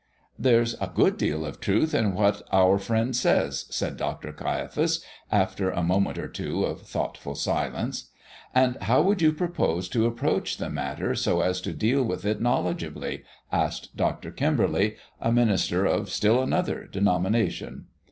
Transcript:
"There's a good deal of truth in what our friend says," said Dr. Caiaphas, after a moment or two of thoughtful silence. "And how would you propose to approach the matter so as to deal with it knowledgeably?" asked Dr. Kimberly, a minister of still another denomination.